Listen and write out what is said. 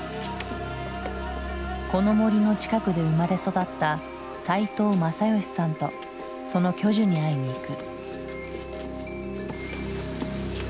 この森の近くで生まれ育った齋藤政美さんとその巨樹に会いに行く。